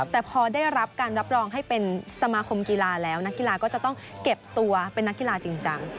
แต่พอได้รับการรับรองให้เป็นสมาคมกีฬาแล้วนักกีฬาก็จะต้องเก็บตัวเป็นนักกีฬาจริงจัง